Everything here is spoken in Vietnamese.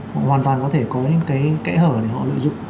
họ hoàn toàn có thể có những cái kẽ hở để họ lợi dụng